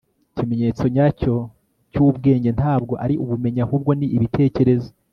ikimenyetso nyacyo cy'ubwenge ntabwo ari ubumenyi ahubwo ni ibitekerezo